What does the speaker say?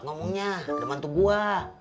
ngomongnya ada mantu gua